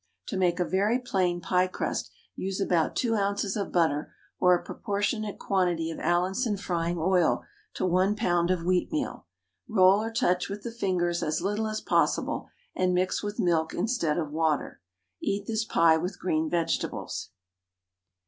To make a very plain pie crust use about 2 oz. of butter or a proportionate quantity of Allinson frying oil to 1 lb. of wheatmeal. Roll or touch with the fingers as little as possible, and mix with milk instead of water. Eat this pie with green vegetables.